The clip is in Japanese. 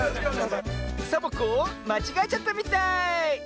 サボ子まちがえちゃったみたい！